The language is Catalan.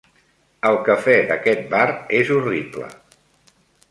El cafè d'aquest bar és horrible.